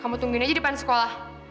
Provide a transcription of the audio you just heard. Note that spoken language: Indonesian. kamu tungguin aja depan sekolah